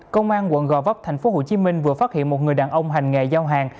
công an quận gò vấp thành phố hồ chí minh vừa phát hiện một người đàn ông hành nghề giao hàng